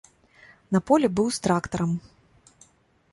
На полі быў з трактарам.